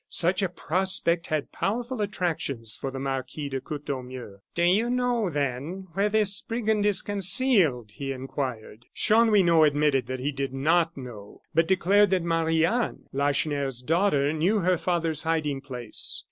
Such a prospect had powerful attractions for the Marquis de Courtornieu. "Do you know, then, where this brigand is concealed?" he inquired. Chanlouineau admitted that he did not know, but declared that Marie Anne, Lacheneur's daughter, knew her father's hiding place.